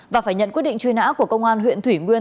và phải nhận quyết định truy nã của công an huyện thủy nguyên